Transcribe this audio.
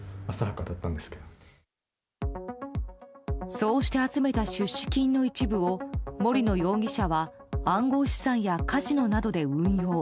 そうして集めた出資金の一部を森野容疑者は暗号資産やカジノなどで運用。